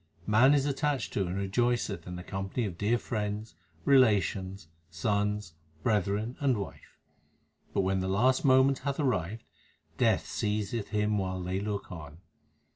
Man is attached to and rejoiceth in the company of dear friends, relations, sons, brethren, and wife ; But when the last moment hath arrived, Death seizeth him while they look on.